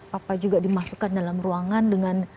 papa juga dimasukkan dalam ruangan dengan